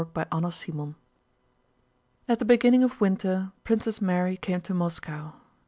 CHAPTER VI At the beginning of winter Princess Mary came to Moscow.